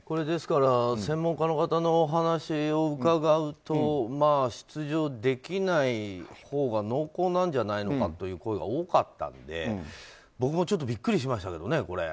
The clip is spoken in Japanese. ですから専門家の方のお話を伺うと出場できないほうが濃厚なんじゃないかという声が多かったんで僕もちょっとビックリしましたけどね。